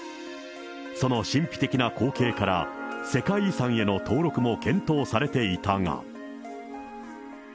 その神秘的な光景から世界遺産への登録も検討されていたが。